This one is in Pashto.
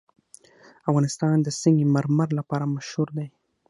افغانستان د سنگ مرمر لپاره مشهور دی.